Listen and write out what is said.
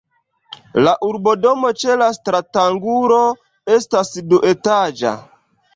La urbodomo ĉe la stratangulo estas duetaĝa.